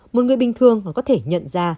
một người bình thường còn có thể nhận ra